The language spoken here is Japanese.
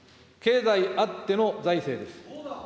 経済あっての財政です。